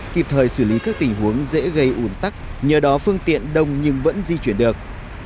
kịp thời xử lý các tình huống dễ gây ủn tắc nhờ đó phương tiện đông nhưng vẫn di chuyển được